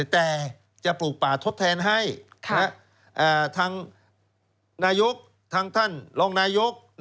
แต่จะปลูกป่าทดแทนให้ทางนายกทางท่านรองนายก